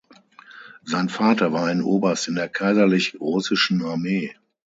Sein Vater war ein Oberst in der Kaiserlich Russischen Armee.